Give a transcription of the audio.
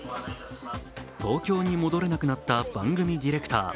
東京に戻れなくなった番組ディレクター。